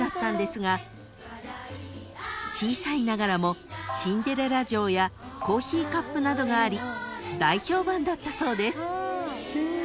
［小さいながらもシンデレラ城やコーヒーカップなどがあり大評判だったそうです］